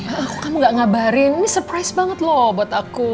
aku kamu gak ngabarin ini surprise banget loh buat aku